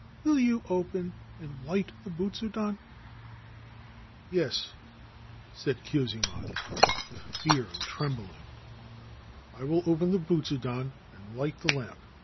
Will you open and light the butsudan ?' c Yes,7 said Kyuzaemon, with fear and trembling :' I will open the butsudan, and light the lamp.